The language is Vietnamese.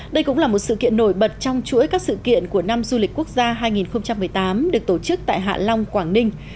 đây cũng là một sự kiện nổi bật trong chuỗi các sự kiện của năm du lịch quốc gia hai nghìn một mươi tám được tổ chức tại hạ long quảng ninh